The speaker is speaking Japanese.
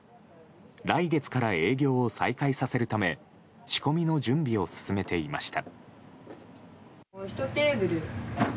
来月から営業を再開させるため仕込みの準備を進めていました。